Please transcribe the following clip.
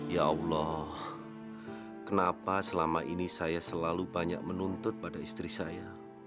ya allah kenapa selama ini saya selalu banyak menuntut pada istri saya